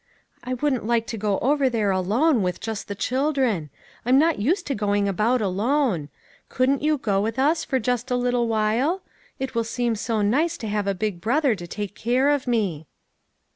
" I wouldn't like to go over there alone, with just the children. I am not used to going about alone. Couldn't you go with us, for just a little while? It will seem so nice to have a big brother to take care of me."